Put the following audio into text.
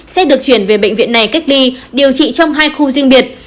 sẽ được chuyển về bệnh viện này cách ly điều trị trong hai khu riêng biệt